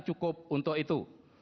cukup untuk itu